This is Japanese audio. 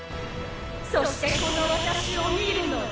そしてこの私を見るのだ！